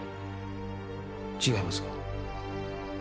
違いますか？